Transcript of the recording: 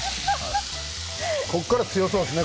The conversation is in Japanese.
ここから強そうですね